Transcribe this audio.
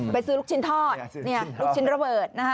ไปซื้อลูกชิ้นทอดลูกชิ้นระเบิด